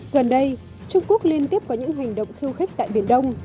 gần đây trung quốc liên tiếp có những hành động khiêu khích tại biển đông